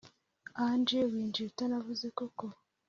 angel winjiye utanavuze koko